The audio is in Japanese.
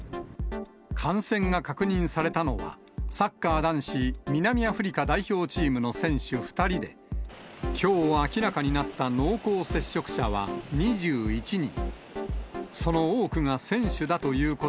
感染が確認されたのは、サッカー男子南アフリカ代表チームの選手２人で、きょう明らかになった濃厚接触者は２１人。